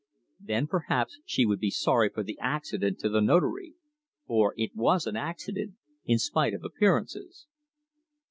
Then perhaps she would be sorry for the accident to the Notary; for it was an accident, in spite of appearances.